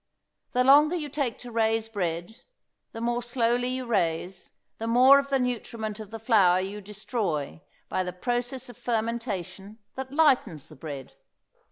The longer you take to raise bread, the more slowly you raise, the more of the nutriment of the flour you destroy by the process of fermentation that lightens the bread.